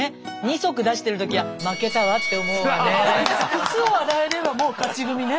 靴を洗えればもう勝ち組ね。